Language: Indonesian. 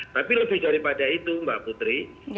tapi lebih daripada itu mbak putri